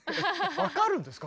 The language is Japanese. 分かるんですか？